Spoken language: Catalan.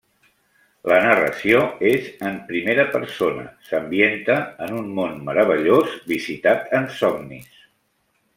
La narració és en primera persona, s'ambienta en un món meravellós visitat en somnis.